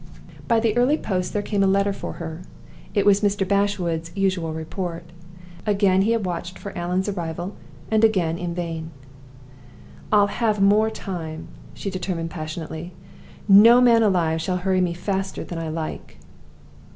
By the early post there came a letter for her. It was Mr. Bashwood's usual report. Again he had watched for Allan's arrival, and again in vain. "I'll have more time!" she determined, passionately. "No man alive shall hurry me faster than I like!"